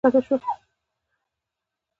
له پنځوس یا شپېتو همیونو سره کښته شو.